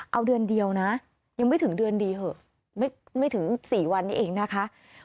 เอาเดือนเดียวนะยังไม่ถึงเดือนดีเถอะไม่ถึง๔วันนี้เองนะคะ